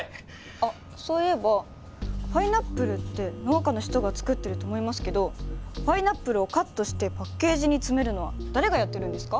あっそういえばパイナップルって農家の人が作ってると思いますけどパイナップルをカットしてパッケージに詰めるのは誰がやってるんですか？